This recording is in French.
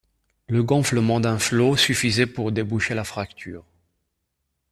Le gonflement d’un flot suffisait pour déboucher la fracture.